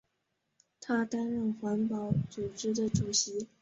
他担任环保组织的主席。